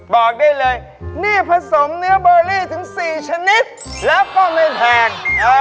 บอกได้เลยนี่ผสมเนื้อเบอร์รี่ถึง๔ชนิดแล้วก็ไม่แพง